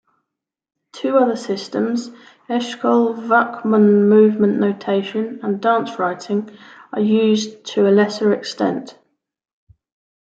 Two other systems, Eshkol-Wachman Movement Notation and DanceWriting, are used to a lesser extent.